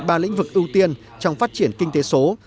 ba lĩnh vực ưu tiên trong phát triển kinh tế số